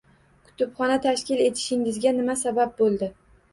Kutubxona tashkil etishingizga nima sabab bo`ldi